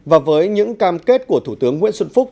và với những cam kết của thủ tướng nguyễn xuân phúc